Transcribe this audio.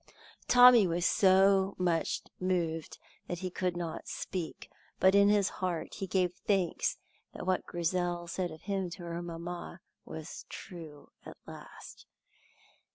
Tommy was so much moved that he could not speak, but in his heart he gave thanks that what Grizel said of him to her mamma was true at last.